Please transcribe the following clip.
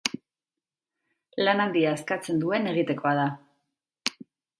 Lan handia eskatzen duen egitekoa da.